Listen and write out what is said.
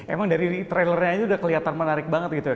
emang dari trailernya aja udah kelihatan menarik banget gitu ya